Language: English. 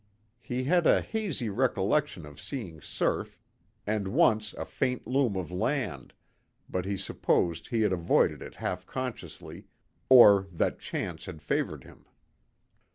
He had a hazy recollection of seeing surf, and once a faint loom of land, but he supposed he had avoided it half consciously or that chance had favoured him.